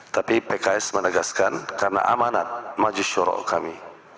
tapi pks menegaskan karena amanat maju syurok kami